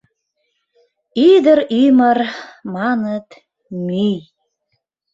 «Ӱдыр ӱмыр, маныт, мӱй...»